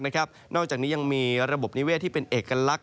นอกจากนี้ยังมีระบบนิเวศที่เป็นเอกลักษ